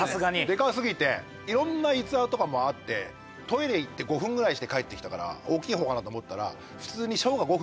でかすぎて色んな逸話とかもあってトイレ行って５分ぐらいして帰ってきたから大きい方かなと思ったら普通に。